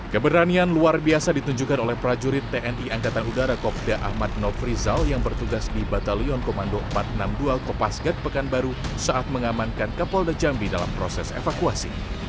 keberanian luar biasa ditunjukkan oleh prajurit tni angkatan udara kopda ahmad nofrizal yang bertugas di batalion komando empat ratus enam puluh dua kopasgat pekanbaru saat mengamankan kapolda jambi dalam proses evakuasi